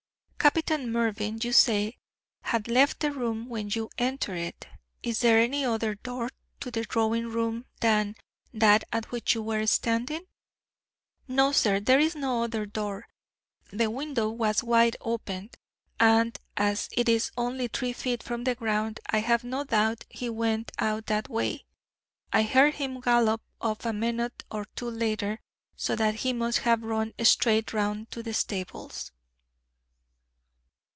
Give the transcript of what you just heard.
Captain Mervyn, you say, had left the room when you entered it. Is there any other door to the drawing room than that at which you were standing?" "No, sir, there is no other door; the window was wide open, and as it is only three feet from the ground I have no doubt he went out that way. I heard him gallop off a minute or two later, so that he must have run straight round to the stables."